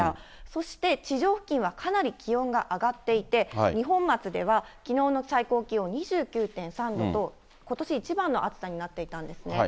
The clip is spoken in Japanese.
そして地上付近はかなり気温が上がっていて、二本松ではきのうの最高気温２９．３度と、ことし一番の暑さになっていたんですね。